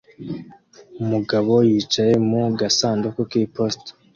Umugabo yicaye mu gasanduku k'iposita